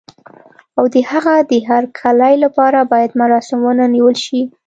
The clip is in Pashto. او د هغه د هرکلي لپاره باید مراسم ونه نیول شي.